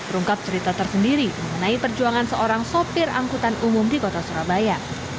rungkap cerita tersendiri mengenai perjuangan seorang sopir angkutan umum di kota surabaya